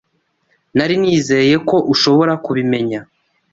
Nari nizeye ko ushobora kubimenya.